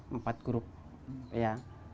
empat grup ya